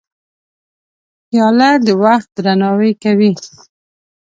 پیاله د وخت درناوی کوي.